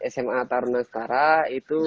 sma tarunan nusantara itu